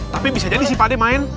tapi bisa jadi pak d main